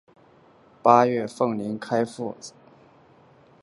八月奉令开赴察哈尔省怀来县。